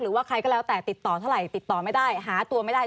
หรือว่าใครก็แล้วแต่ติดต่อเท่าไหร่ติดต่อไม่ได้หาตัวไม่ได้